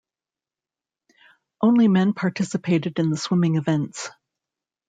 Only men participated in the swimming events.